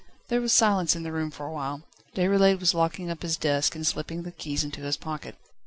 There was silence in the room for awhile. Déroulède was locking up his desk and slipping the keys into his pocket.